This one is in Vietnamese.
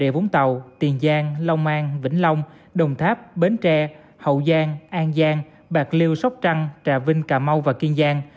bà rịa vũng tàu tiền giang long an vĩnh long đồng tháp bến tre hậu giang an giang bạc liêu sóc trăng trà vinh cà mau và kiên giang